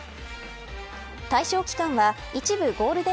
対象期間は一部ゴールデ